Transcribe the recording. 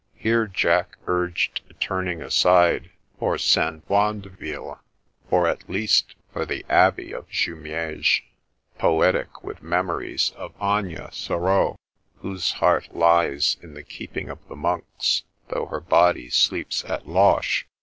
Here, Jack urged a turning aside for St. Wandeville or, at least, for the abbey of Jumieges, poetic with memories of Agnes Sorel, whose heart lies in the keeping of the monks, though her body sleeps at Loches.